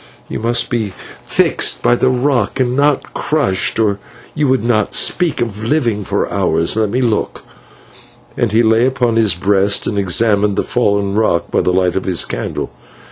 You must be fixed by the rock and not crushed, or you would not speak of living for hours. Let me look," and he lay upon his breast and examined the fallen rock by the light of the candle.